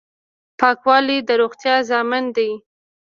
پاکوالی د روغتیا ضامن دی.